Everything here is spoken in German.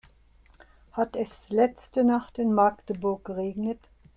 Hat es letzte Nacht in Magdeburg geregnet?